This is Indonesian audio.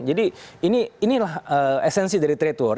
jadi ini adalah esensi dari trade war